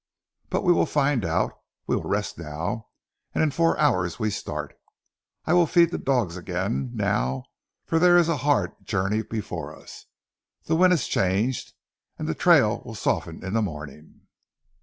But we will find out ... we will rest now, and in four hours we start. I will feed the dogs again now, for there is a hard journey before us. The wind has changed and the trail will soften in the morning."